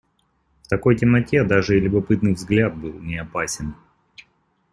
В такой темноте даже и любопытный взгляд был неопасен.